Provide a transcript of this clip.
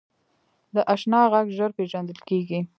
د اشنا غږ ژر پیژندل کېږي